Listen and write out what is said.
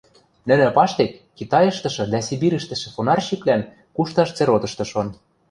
Нӹнӹ паштек Китайыштышы дӓ Сибирьӹштӹшӹ фонарщиквлӓн кушташ церотышты шон.